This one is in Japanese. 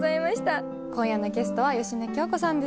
今夜のゲストは芳根京子さんでした。